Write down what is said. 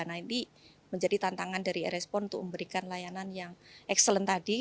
nanti menjadi tantangan dari rs pon untuk memberikan layanan yang excellent tadi